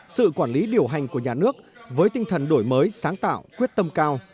sự quản lý điều hành của nhà nước với tinh thần đổi mới sáng tạo quyết tâm cao